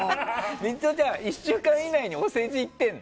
ミトちゃんは１週間以内にお世辞言ってるの？